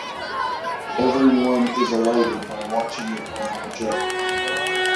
Everyone is elated by watching it on the projector.